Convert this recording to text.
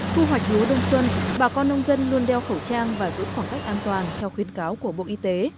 thu hoạch lúa đông xuân bà con nông dân luôn đeo khẩu trang và giữ khoảng cách an toàn theo khuyến cáo của bộ y tế